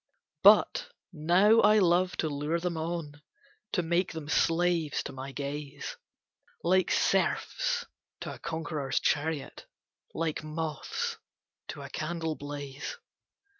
But now I love to lure them on, To make them slaves to my gaze, Like serfs to a conqueror's chariot, Like moths to a candle blaze.